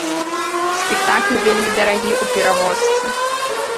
Спектакль вельмі дарагі ў перавозцы.